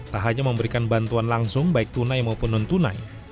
tak hanya memberikan bantuan langsung baik tunai maupun non tunai